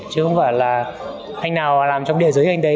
chứ không phải là anh nào làm trong địa giới anh đấy